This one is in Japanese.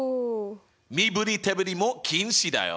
身振り手振りも禁止だよ！